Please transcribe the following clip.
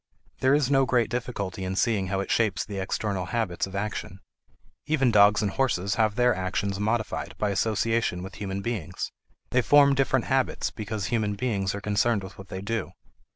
There is no great difficulty in seeing how it shapes the external habits of action. Even dogs and horses have their actions modified by association with human beings; they form different habits because human beings are concerned with what they do.